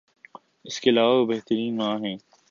اس کے علاوہ وہ بہترین ماں ہیں